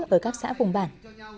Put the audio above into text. ở các xã vùng bản